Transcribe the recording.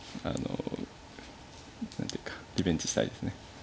何ていうかリベンジしたいですね。